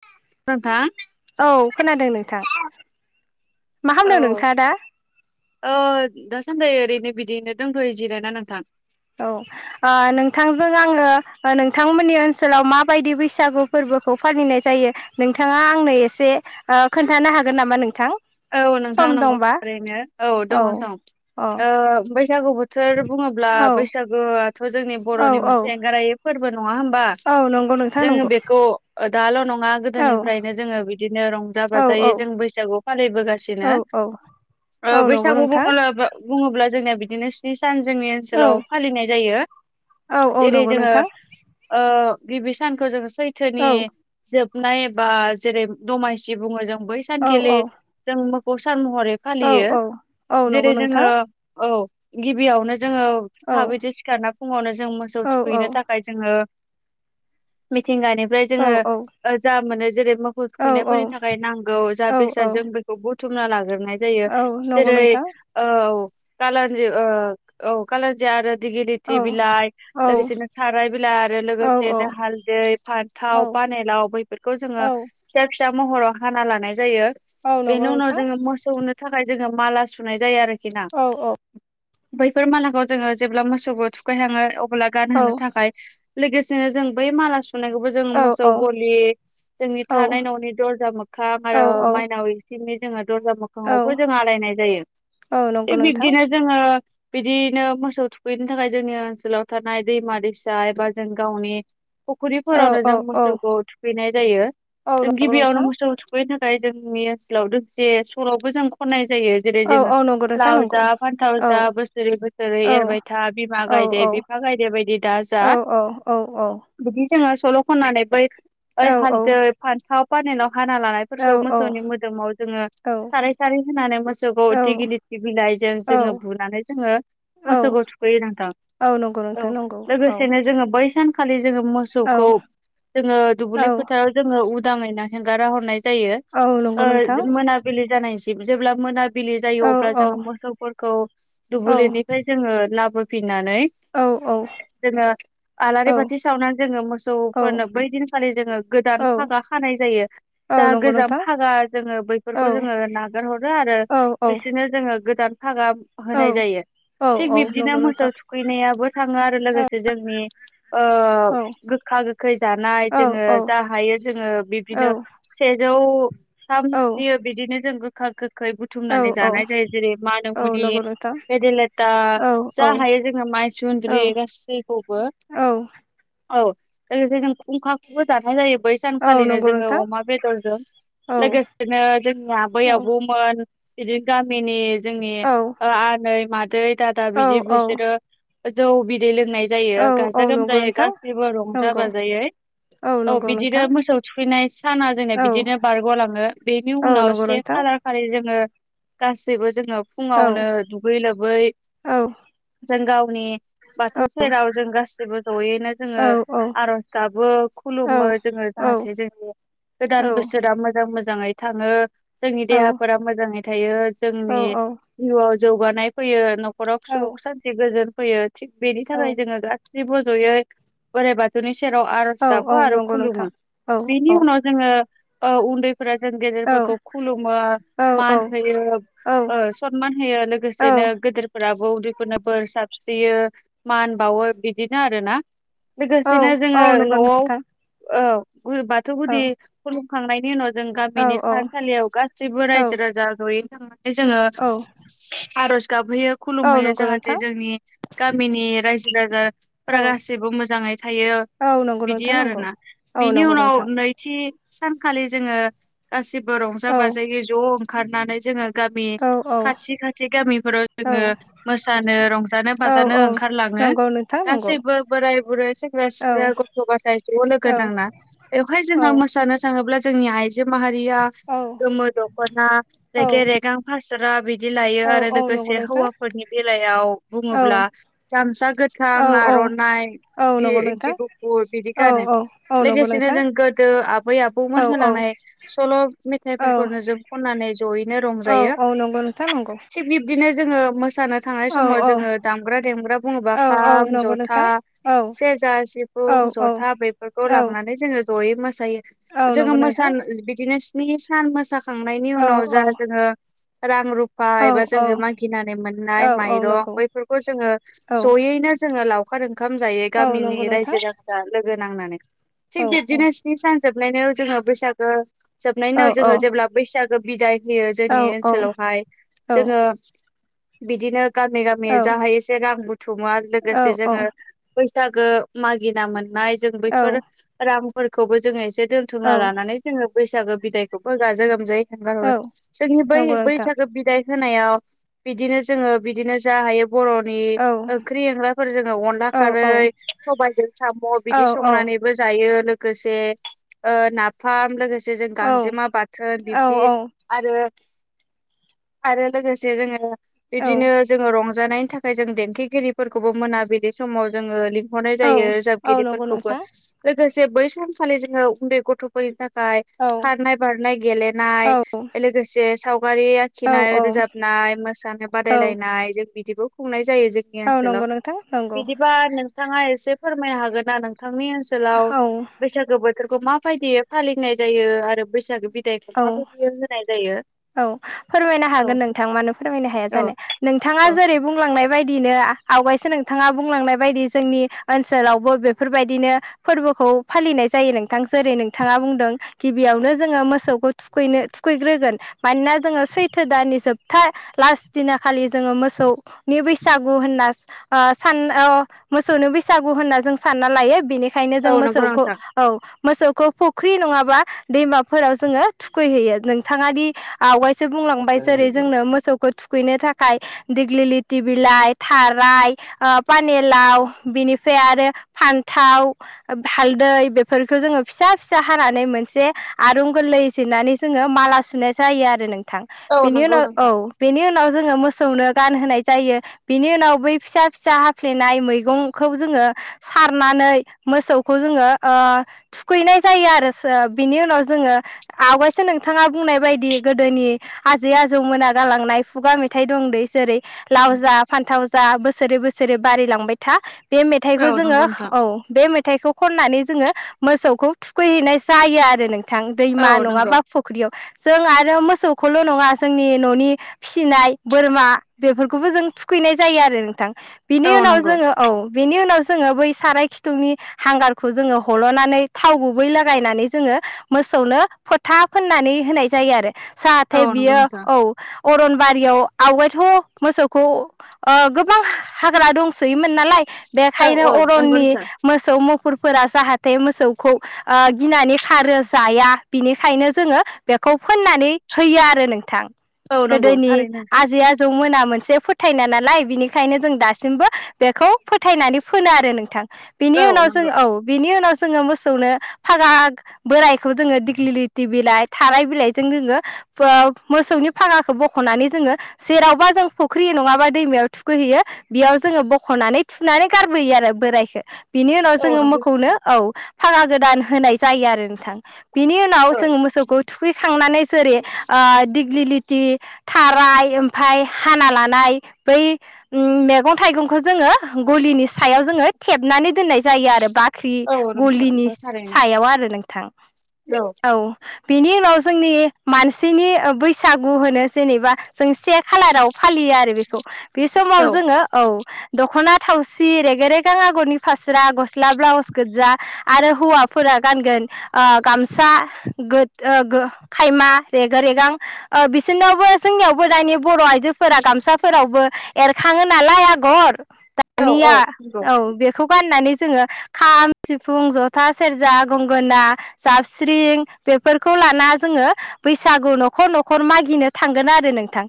[unintelligible] औ खोनादों नोंथां। मा औ खामदो नोंथाङा दा? ओ [unintelligible] ओरैनो बिदिनो दंथ'यो जिरायना नोंथां। औ ओ नोंथांजों आङो नोंथांमोननि ओनसोलाव माबायदि बैसागु फोरबो फोरबोखौ फालिनाय जायो नोंथाङा आंनो एसे खोन्थानो हागोन नामा नोंथां? औ नोंथां सम नंगौ दंबा ओरैनो औ दङ सं अ ओ बैसागु बोथो सोर बुङोब्ला औ बैसागुआथ' जोंनि औ बर'नि औ मोनसे एंगारायै फोरबो नङा होमबा औ नंगौ नोंथां जोङो नंगौ बेखौ दाल' नङा औ गोदोनिफ्रायनो जोङो बिदिनो रंजा औ बाजायै जों बैसागु [unintelligible] ओ औ औ औ नंगौ बैसागु नोंथां बुंङोब्ला जोंना बिदिनो स्नि सान जोंनि औ ओनसोलाव फालिनाय जायो औ औ जेरै नंगौ जोङो नोंथां गिबि सानखौ जों सैथोनि औ जोबनाय बा जेरै दमासि बुङो जों बै सान औ खालि औ जों मोखौ सान महरै औ फालियो औ औ जेरै नंगौ नोंथां जोङो औ गिबियावनो जोङो औ थाबैदि सिखारना फुङावनो जों मोसौ औ औ थुखैनो थाखाय जोङो मिथिंगानिफ्राय औ जोङो जा मोनो जेरै मोसौ थुखैनायफोरनि औ थाखाय नांगौ जा औ औ बेसाद जों बेखौ बुथुमना लाग्रोनाय जायो औ नंगौ जेरै नोंथां औ कालाजि औ [unintelligible] आरो औ [unintelligible] बिलाइ औ लोगोसेनो थाराय बिलाइ आरो औ लोगोसेनो हालदै औ फान्थाव पानेलाव बैफोरखौ जोङो औ फिसा फिसा महराव हाना लानाय जायो। औ नंगौ बेनि उनाव नोंथां जोङो मोसौनो थाखाय जोङो माला सुनाय जायो आरोखि ना औ औ बैफोर मालाखौ जोङो जेब्ला मोसौखो थुखैनो लाङो अब्ला औ गानहोनो थाखाय लोगोसेनो जों बै माला सुनायखौबो जों औ औ मोसौ गलि जोंनि थानाय न'नि दरजा मोखां औ आरो माइनाव बिनि जोङो दरजा औ मोखाङावबो जों आलायनाय जायो औ नंगौ थिग नोंथां बिब्दिनो जोङो बिदियैनो मोसौ थुखैनो थाखाय जोंनि ओनसोलाव थानाय दैमा दैसा एबा जों गावनि औ फुख्रिफोरावनो औ जों औ मोसौखौ थुखैनाय जायो औ जों नंगौ गिबियावनो नोंथां मोसौ थुखैनो थाखाय जोंनि ओनसोलाव दोंसे सल'बो जों खन्नाय जायो जेरै औ जो औ नंगौ नोंथां लाव नंगौ जा फान्थाव औ जा बोसोरै बोसोरै औ एरबाय था बिमा औ गायदे बिफा गायदे बायदि दा जा औ औ औ बिदि जोङो सल' खनानै बै औ हालदै फान्थाव फानेलाव हाना लानायफोरखौ मोसौनि [unintelligible] [inaudible] औ साराय सारै होनानै मोसौखौ उ थ गिलििर थि बिलाइजों जोङो बुनानै जोङो औ मोसौखौ थुखैयो नोंथां नंगौ औ नोंथां नंगौ औ लोगोसेनो जोङो बै बे सानखालि जोङो औ मोसौखौ जोङो दुब्लि औ फोथाराव जोङो उदाङैना हेंगारा हरनाय जायो औ नंगौ ओ नोंथां जों मोनाबिलि जानायसिम जेब्ला मोना बिलि जायो औ अब्ला औ जोङो मोसौफोरखौ औ दुब्लिनिफ्राय जोङो लाबो नानै औ जोङो आलारि बाथि सावनानै जोङो औ मोसौफोरनो बै दिनखालि जोङो गोदान औ औ सागा खानाय जायो औ जा नंगौ गोजाम नोंथां थाखागा जोङो औ बैफोरखौ जोङो नागार हरो आरो औ औ बिसोरनो जोङो गोदान फागा औ होनाय जायो। औ थिग औ बिब्दिनो नंगौ मोसौ नोंथां थुखैनायाबो थाङो आरो लोगोसे जोंनि ओ औ गोखा गोखै जानाय औ जोङो औ जा हायो जोङो औ बिदिनो से जौ थाम औ स्रियो बिदिनो जों गोखा गो खै औ बुथुमनानै औ जानाय जायो जेरै मान औ मुनि नंगौ नोंथां बेदिलेथा औ जा औ हायो जोङो औ माइसुन्द्रि गासैखौबो औ औ लोगोसे जों खुंखाखौबो जानाय जायो बै औ सानखालिनो नंगौ जोङो नोंथां अमा बेदरजों औ लोगोसेनो जोंना औ बैयावबोमोन बिदिनो गामिनि जोंनि औ आनै मादै दादा औ बिदि बिसोरो जौ बिदै लों नाय जायो औ गा औ नंगौ गोमजायै नोंथां गसिबो रंजा नंगौ बाजायै औ नंगौ बिदिनो नोंथां मोसौ थु खैनाय साना जोंना औ बिदिनो बारग'लाङो बेनि औ उनाव नंगौ से नोंथां खालार खालि जोङो गासिबो जोङो औ फुङावनो दुगै लोबै औ जों गावनि बाथौ सेराव जों गासिबो जयैनो जोङो औ औ आर'ज गाबो खुलुमो जोङो औ जाहाथे जोंनि गोदान बोसोरा मोजां मोजां मोजाङै थाङो जोंनि औ देहाफोरा मोजाङै थायो जोंनि जिउआव जौगानाय फैयो न'खराव सुख सान्थि गोजोन फैयो थिग बेनि औ थाखाय जोङो गा सैबो जयै बोराइ बाथौनि सेराव आर'ज औ गाबो औ आरो नंगौ नोंथां खुलुमो औ बेनि औ उनाव जोङो उन्दै फोर जों गेदेरफोरखौ खुलुमो औ औ मान औ होयो औ सनमान होयो लोगोसेनो औ गदेरफोराबो उन्दैखौनो बोर साबस्रियो मान बावो बिदिनो आरो ना औ लोगोसेनो जोङो औ नंगौ न'आव नोंथां ओ बाथौ औ गुदि खुुलुम खांनायनि उनाव जों औ गामिनि औ थानसालियाव गासैबो औ रायजो राजा जयैनो थांना नै जोङो औ आर'ज गाबहैयो खुलुम औ होयो नंगौ जाहाथे नोंथां जोंनि गामिनि रायजो औ राजाफोरा गासिबो मोजाङै था थायो औ नंगौ बिदि नोंथां नंगौ आरोना औ बिनि नंगौ उनाव नोंथां नैथि सानखालि जोङो गासिबो रंजा औ बाजायै ज' ओंखारनानै जोङो गामि औ औ खाथि खाथि गामिफोराव औ जोङो मोसानो रंजानो औ बाजानो औ ओंखारलां यो नंगौ नोंथां नंगौ गासैबो बोराय बुरै सेंग्रा औ सिख्ला गथ' गथाय ज' लोगो औ नांना बेयाव औ जोङो मोसानो थाङोब्ला जोंनि आइजो माहारिया गोमो दख'ना औ रेगे रेगां फासोरा बिदिनो बिदि लायो औ आरो औ नंगौ लोगोसे नोंथां हौवाफोरनि बेलायाव औ बुङोब्ला गामसा गोथां औ आर नाय औ नंगौ जि नोंथां गुफुर बिदि गानो औ औ औ नंगौ लोगोसेनो नोंथां जों गोदो आबै आबौमोन औ औ होलांनाय सल' औ मेथाइफोरखौनो जों खननानै जयैनो औ रंजायो औ नंगौ नोंथां नंगौ थि बिदिनो जोङो मो जानो थांनाय औ समाव औ जोङो दामग्रा देग्रा बुङोबा औ औ खाम नंगौ जथा नोंथां औ सेरजा औ सिफुं औ जथा बेैफोरखौ औ लांनानै जोङो जयै मोसायो औ जोङो नंगौ नोंथां मोसानो बिदिनो स्नि सान मोसा खांनायनि औ उनाव औ जा जोङो रां रु फा औ एबा औ जोङो मागिनानै औ मोननाय औ माइरं नंगौ बैफोरखौ जोङो औ ज'यैनो जोङो लाव लावखार ओंखाम जायो औ गामिनि नंगौ रायजो नोंथां राजा लोगो नांनानै थिग औ औ बिबदिनो स्नि सान जोबनायाव जोङो बैसागो जोबनायनि औ उनाव जोङो जेब्ला बैसागो बिदाय - होयो औ जोंनि औ ओनसोलावहाय औ जोङो बिदिनो गामि गामि जाहाय एसे रां बुथुमा औ लोगोसे जोङो बैसागो मागिनामोना नाय जों औ बैफोर रामफोरखौबो जोङो एसे औ दोनथुमना लानानै जोङो बैसागो बिदायखौबो गाजा गोमजायै खगार हरो औ जोंनि बै नंगौ नोंथां बैसागो बिदाय होनायाव बिदिनो जोङो बिदिनो जा हायो बर'नि औ ओंख्रि एंग्राफोर जोङो अनला औ खारै औ सबायाइजों साम' औ बिदि संनानै जायो लोगोसे ओ नाफाम लोगोसे जों गांजेमा बाथोन औ औ बिब्दि औ आरो आरो लोगोसे जोङो बिदिनो जोङो रंजानायनि थाखाय जों देंखोगिरिफोरखौबो मोना बिलि समाव जोङो हरनाय जायो औ नंगौ रोजाबगिरिफोरखौबो नोंथां लोगोसे बै सानखालि जोङो उन्दै गथ'फोरनि थाखाय औ खारनाय बारनाय गेलेनाय औ लोगोसे साव सावगारि औ औ आखिनाय रोजाबनाय मोसानाय औ बादायलायनाय जों बिदिबो खुंनाय जयो जोंनि औ ओनसोलाव नंगौ नोंथां नंगौ बिदिबा नोंथाङा एसे फोरमायनो हागोन ना नों नोंथांनि ओनसोलाव बैसागो बोथोरखौ माबायदियै फालिनाय जायो आरो बैसागो दे औ औ खोथाबो बियो होनाय जायो? औ फोरमायनो औ हागोन नोंथां मानो फोरमायनो हाया औ जानो नोंथाङा औ जेरै बुंलां बुंलांनाय बायदिनो आवगायसो नोंथाङा बुंलांनाय बायदि जोंनि ओनसोलावबो बेफोरबायदिनो फोरबोखौ फालिनाय जायो नोंथां जेरै नोंथाङा बुंदों गिबियावनो जोङो मोसौखौ थुखैनो थुखै ग्रोगोन मानोना जोङो सैथो दाननि जोबथा लास्ट दिना खालि जोङो मोसौनि बैसागु होन [unintelligible] मोसौनो बैसागु होनना जों सानना लायो बेनि खायनो औ जों नंगौ मोसौखौ नोंथां औ मोसौखौ फुख्रि नङाबा दैमाफोराव जोङो थुखैहैयो नोंथाङा दि आवाय बुंलांबाय जेरै जोंनो मोसौखौ थुखैनो था थाखाय दिग्लि लिथि बिलाइ थाराय आ पानिलाव बिनिफ्राय आरो फान्थाव हालदै बेफोरखौ जोङो फिसा फिसा हानानै मोनसे आरुं गोरलै जिरनानै जोङो माला सुनाय जायो आरो नोंथां औ बेनि नंगौ उनाव औ नोंथां बेनि उनाव जोङो मोसौनो गानहोनाय जायो बिनि उनाव बै फिसा फिसा हाफ्लेनाय मैगंखौ जोङो सारनानै मोसौखौ जोङो ओ थुखैनाय जायो आरो सो बिनि उनाव जों जोङो आवगायसो नोंथाङा बुंनाय बायदि गोदोनि आजै आजौ मोना गालांनाय खुगा मेथाइ दं दै जेरै लाव जा फान्थाव जा बोसोरै बोसोरै बारिलांबाय था बे औ मेथाइखौ जोङो नंगौ नोंथां औ बे मेथाइखौ खननानै जोङो मोसौखौ थुखैहैनाय जायो आरो नोंथां औ दैमा नंगौ नङाबा फुख्रियाव जों आरो मोसौखौल' नङा जोंनि न'नि फिसिनाय बोरमा बेफोरखौबो जों थुखैनाय जायो आरो नोंथां बिनि औ उनाव नंगौ जोङो औ बिनि उनाव जों बै साराय खिथुंनि हांगारखौ जोङो हल'नानै थाव गुबै लागायनानै जोङो मो सौनो फोथा फोननानै होनाय जायो आरो औ जाहाथे नंगौ बियो नोंथां औ अरनबारियाव आवगायथ' मोसौखौ ओ गोबां हाग्रा दंसोयोमोन नालाय औ बेखायनो औ नंगौ अरननि नोंथां मोसौ मु फुरफोरा जाहाथे मोसौखौ ओ गिनानै खारो जाया बिनिखायनो जोङो बे खौ फोननानै होयो आरो नोंथां औ नंगौ गोदोनि थारैनो आजै आजौ मोना मोन से फोथायनाय नालाय बिनिखायनो जों दासिमबो बेखौ फोथायनानै फोनो आरो नोंथां बिनि औ उनाव जों नंगौ औ बिनि उनाव जोङो मोसौनो फागा बोराय खौ जोङो दिग्लि लिथि बिलाय थाराय बिलाइजों जोङो मोसौनि फाङाखौ बख'नानै जोङो जेरावबा जों फुख्रि नङाबा दैमायाव थुखैहैयो बेयाव जोङो बख'नानै खुनानै गारबोयो आरो बोरायखो बिनि उनाव औ जोङो नंगौ मोखौनो नोंथां औ फाङा गोदान होनाय जायो आरो नोंथां। बिनि उनाव औ जों मोसौखौ खांनानै जेरै ओ दिग्लिलिथि थाराय ओमफाय हाना लानाय बै मैगं थाइगंखौ जोङो गलिनि सायाव जोङो थेबनानै दोननाय जायो आरो बा ख्रि औ नंगौ गलिनि नोंथां थारैनो सायाव आरो नोंथां औ बिनि उनाव जोंनि मानसिनि बैसागु होनो जेनेबा जों से खालाराव फालि यो आरो बेखौ बे समाव औ जोङो औ दख'ना थावसि रेग रेगां आगरनि फास्रा गस्ला ब्लाउस गोजा आरो हौवाफोरा गानगोन ओ गामसा गो ओ गो खायमा रेगे रेगां ओ बिसोरनावबो जोंनियावबो दानि बर' आइजोफोरा गाब गामसाफोरावबो एरखाङो नालाय आगर औ औ दानिया नंगौ औ बेखौ गाननानै जोङो खाम सिफुं जथा सेरजा गंगोना जाबस्रिं बेफ फोरखौ लाना जोङो बैसागु न'खर न'खर मागिनो थांगोन आरो नोंथां।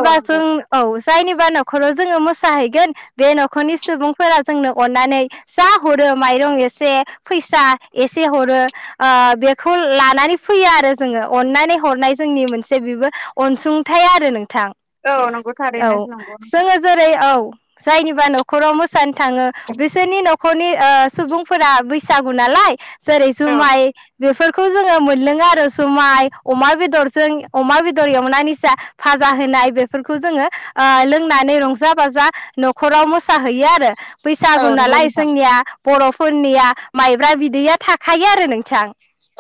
औ जों नंगौ औ जायनिबा न'खराव जोङो मोसाहैगोन बे न'खरनि सुबुंफोरा जोंनो अनानै जा हरो माइरं एसे फैसा एसे हरो ओ बेखौ ला नानै फैयो आरो जोङो अननानै हरनाय जोंनि मोनसे बेबो अनसुंथाइ आरो नों थां औ नंगौ औ थारैनो नंगौ नोंथां जोङो जेरै औ जायनिबा न'खराव मोसानो थाङो बिसोरनि न'खरनि ओ सुबुंफोरा बै बैसागु नालाय जेरै औ जुमाय बेफोर जोङो मोनलोङो आरो जुमाय अमा बेदरजों अमा बेदर एवनानैजा फाजा होनाय बेफोरखौ जोङो ओ लोंनानै रंजा बाजा न'खराव मोसाहैयो आरो औ बैसागु नंगौ नालाय नोंथां जोंनिया बर'फोरनिया माइब्रा बिदैया थाखायो आरो नोंथां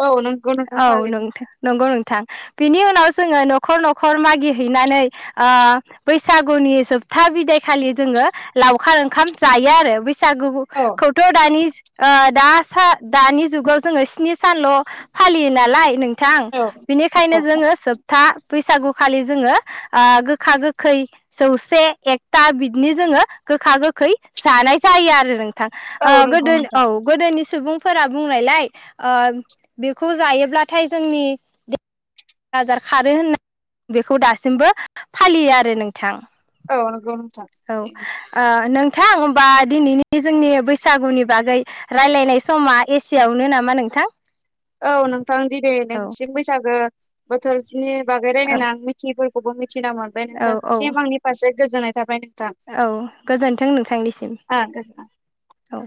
औ नंगौ नोंथां औ नं थारैनो नंगौ नों थां बिनि उनाव जोङो न'खर न'खर मागिहैनानै ओ बैसागुनि जोब था बिदाय खालि जोङो लावखार ओंखाम जायो आरो बै सागु खौ औ खौथ' दानि ओ दा सा ओ दानि जुगाव जोंओ स्नि सानल' फालियो नालाय नोंथां औ बेनिखायनो औ जोङो सोबथा बैसागु खालि जोङो ओ गोखा गोखै जौसे एकथा बिदिनि जोङो गोखा गोखै खै जानाय जायो आरो नों थां औ ओ नंगौ गोदो औ नोंथां गोदोनि सुबुंफोरा बुंनायलाय ओ बेखौ जायोब्लाथाय जोंनि आजार खारो होननानै बेखौ दासिमबो फालियो आरो नोंथां औ नंगौ नोंथां औ ओ नों थां होमबा दिनैनि बे जोंनि बैसागुनि बागै रायलायनाय समा एसेआवनो नामा नों थां औ नोंथां दिनै नोंनिसिम बैसागो बोथोरनि बागै औ रायज्लायना मिथियैफोर खौबो मिथिना मोनबाय औ औ नोंथांनिसिम आंनि फारसे गोजोन्नाय थाबाय नों औ गोजोनथों नोंथांनिसिम आ गोजोन औ